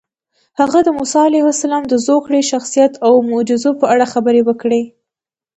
هغه د موسی علیه السلام د زوکړې، شخصیت او معجزو په اړه خبرې وکړې.